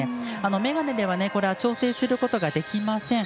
眼鏡では、これは調整することができません。